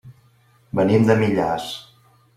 Venim de Millars.